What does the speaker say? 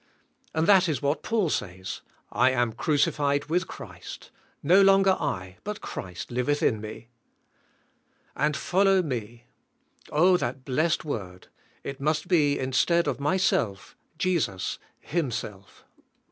And that is what Paul says, '' I am crucified with Christ. No longer I but Christ liveth in me." ^'And follow me." Oh, that blessed word. It must be instead of myself^ Jesus, Himself.